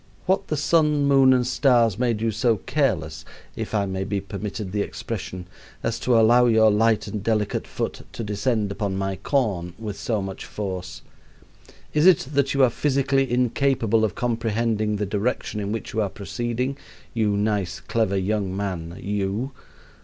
What the sun, moon, and stars made you so careless (if I may be permitted the expression) as to allow your light and delicate foot to descend upon my corn with so much force? Is it that you are physically incapable of comprehending the direction in which you are proceeding? you nice, clever young man you!"